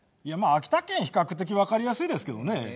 いやまあ秋田県比較的分かりやすいですけどね。